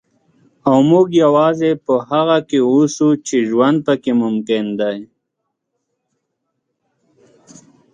او موږ یوازې په هغه کې اوسو چې ژوند پکې ممکن دی.